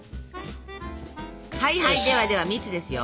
はいはいではでは蜜ですよ。